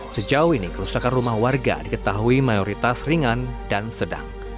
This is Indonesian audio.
sejauh ini kerusakan rumah warga diketahui mayoritas ringan dan sedang